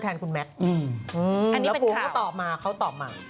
แทนคุณแมทแล้วปูก็ตอบมาเขาตอบมา